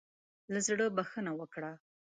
له زړۀ بخښنه وکړه.